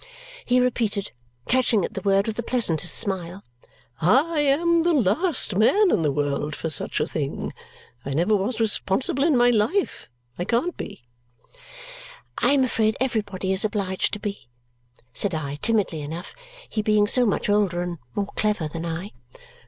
he repeated, catching at the word with the pleasantest smile. "I am the last man in the world for such a thing. I never was responsible in my life I can't be." "I am afraid everybody is obliged to be," said I timidly enough, he being so much older and more clever than I.